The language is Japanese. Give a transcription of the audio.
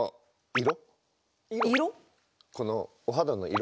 色？